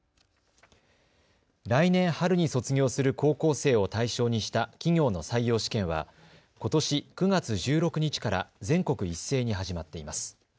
来年春に卒業する高校生を対象にした企業の採用試験はことし９月１６日から全国一斉に始まっています。